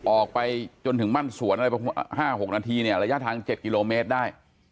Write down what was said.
ออกไปจนถึงมั่นสวน๕๖นาทีระยะทาง๗กิโลเมตรได้